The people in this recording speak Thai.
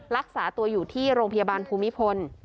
รักษาตัวอยู่ที่โรงพยาบาลภูมิพล